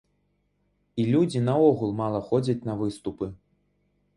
І людзі наогул мала ходзяць на выступы.